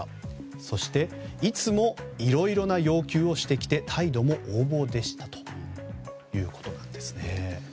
そして、いつもいろいろな要求をしてきて態度も横暴でしたということです。